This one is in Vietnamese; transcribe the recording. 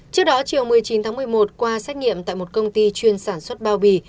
trước đó chiều một mươi chín tháng một mươi một qua xét nghiệm tại một công ty chuyên sản xuất bao bì